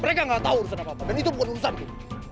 mereka gak tau urusan apa apa dan itu bukan urusanku